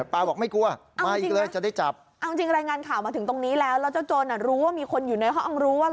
ป้าบอกว่าอย่างนี้คุณท้าโจรเลยนะ